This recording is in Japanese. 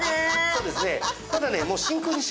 そうですね。